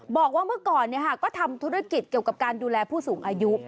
บอกว่าเมื่อก่อนก็ทำธุรกิจเกี่ยวกับการดูแลผู้สูงอายุ